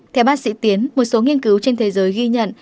theo bác sĩ tiến một số nghiên cứu trên thế giới ghi nhận